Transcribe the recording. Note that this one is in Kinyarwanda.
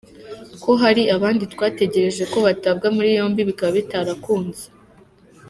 Ko hari abandi twategerje ko batabwa muri yombi bikaba bitarakunze.